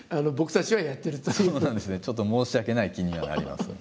ちょっと申し訳ない気にはなります。